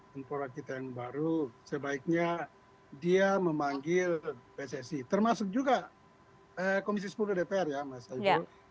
menpora kita yang baru sebaiknya dia memanggil pssi termasuk juga komisi sepuluh dpr ya mas aibru